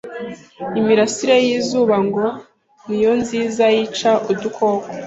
Imirasire y'izuba ngo niyo nziza yica udukoko.